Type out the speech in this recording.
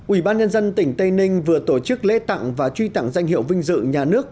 ủy ban nhân dân tỉnh tây ninh vừa tổ chức lễ tặng và truy tặng danh hiệu vinh dự nhà nước